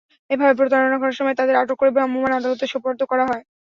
এভাবে প্রতারণা করার সময় তাঁদের আটক করে ভ্রাম্যমাণ আদালতে সোপর্দ করা হয়।